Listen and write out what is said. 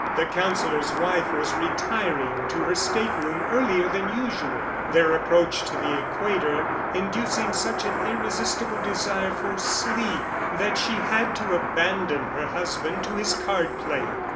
The Counsellor's wife was retiring to her stateroom earlier than usual their approach to the Equator inducing such an irresistible desire for sleep, that she had to abandon her husband to his card playing.